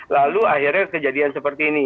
lalu akhirnya kejadian seperti ini